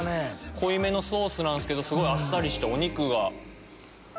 濃いめのソースなんすけどすごいあっさりしてお肉が。